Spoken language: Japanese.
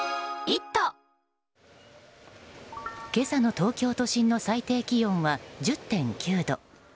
今朝の東京都心の最低気温は１０．９度。